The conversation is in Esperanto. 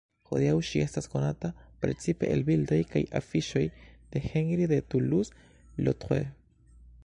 Hodiaŭ ŝi estas konata precipe el bildoj kaj afiŝoj de Henri de Toulouse-Lautrec.